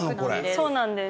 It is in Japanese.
そうなんです。